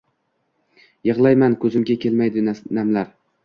Yig’layman — ko’zimga kelmaydi namlar